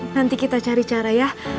nanti kita cari cara ya